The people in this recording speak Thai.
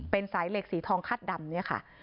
เป็นสายเหล็กสีทองคัดดำ